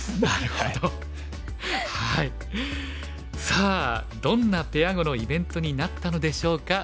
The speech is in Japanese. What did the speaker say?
さあどんなペア碁のイベントになったのでしょうか。